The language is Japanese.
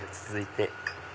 続いて。